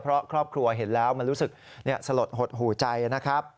เพราะครอบครัวเห็นแล้วมันรู้สึกสลดหดหูใจนะครับ